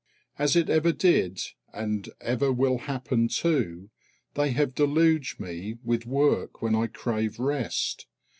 As it ever did and ever will happen too, they have deluged me with work when I crave rest.